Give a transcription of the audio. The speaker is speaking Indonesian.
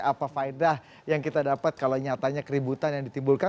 apa faedah yang kita dapat kalau nyatanya keributan yang ditimbulkan